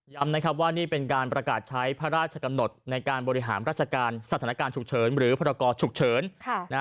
นะครับว่านี่เป็นการประกาศใช้พระราชกำหนดในการบริหารราชการสถานการณ์ฉุกเฉินหรือพรกรฉุกเฉิน